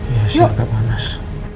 iya siap tak panas